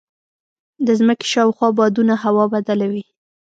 د ځمکې شاوخوا بادونه هوا بدله وي.